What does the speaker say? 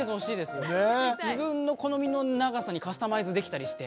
自分の好みの長さにカスタマイズできたりして。